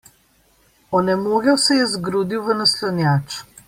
Onemogel se je zgrudil v naslanjač.